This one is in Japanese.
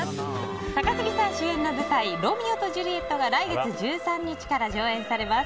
高杉さん主演の舞台「ロミオとジュリエット」が来月１３日から上演されます。